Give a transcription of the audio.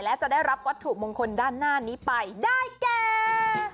และจะได้รับวัตถุมงคลด้านหน้านี้ไปได้แก่